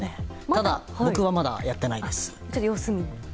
ただ、僕はまだやってないです。